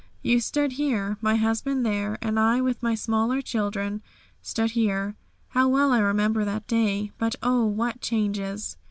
"You stood here, my husband there, and I with my smaller children stood here. How well I remember that day; but, oh, what changes!"